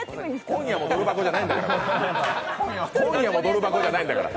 「今夜もドル箱」じゃないんだから。